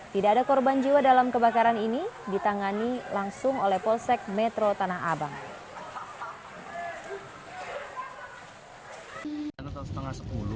tidak ada korban jiwa dalam kebakaran ini ditangani langsung oleh polsek metro tanah abang